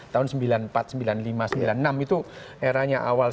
tahun sembilan puluh empat sembilan puluh lima sembilan puluh enam itu eranya awal